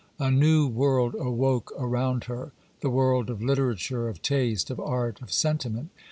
A new world awoke around her—the world of literature, of taste, of art, of sentiment.